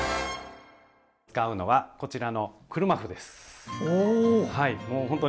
使うのはこちらの車麩です。